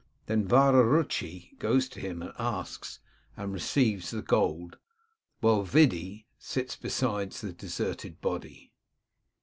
Then Vararutschi goes to him, asks, and receives the gold, whilst Vy3di sits beside the deserted body.